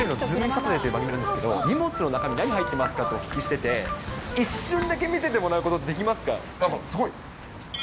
サタデーという番組なんですけど、荷物の中身、何入ってますかとお聞きしてて、一瞬だけ見せてもらうことできますか？